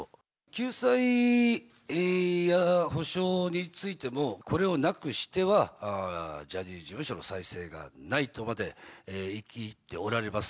救済や補償についても、これをなくしてはジャニーズ事務所の再生がないとまで言い切っておられます。